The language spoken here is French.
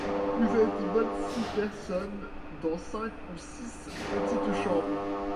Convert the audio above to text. Vous êtes vingt-six personnes dans cinq ou six petites chambres.